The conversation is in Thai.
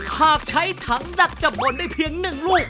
หากใช้ถังดักจับบนได้เพียง๑ลูก